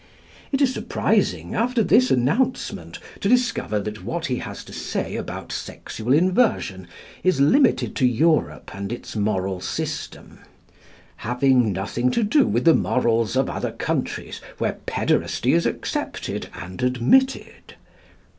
It is surprising, after this announcement, to discover that what he has to say about sexual inversion is limited to Europe and its moral system, "having nothing to do with the morals of other countries where pæderasty is accepted and admitted" (p.